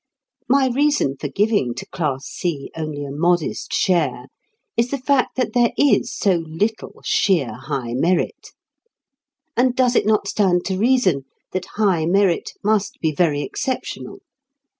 My reason for giving to Class C only a modest share is the fact that there is so little sheer high merit. And does it not stand to reason that high merit must be very exceptional?